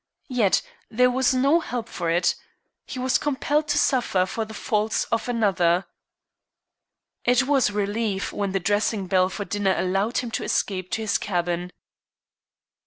Yet there was no help for it. He was compelled to suffer for the faults of another. It was relief when the dressing bell for dinner allowed him to escape to his cabin.